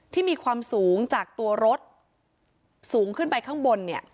ที่มีความสูงจากตัวรถสูงขึ้นไปข้างบนเนี่ย